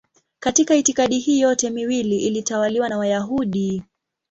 Katika itikadi hii yote miwili ilitawaliwa na Wayahudi.